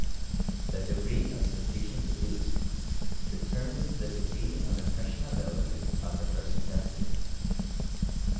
The degree of sensation produced determines the de gree of impressionability of the person tested.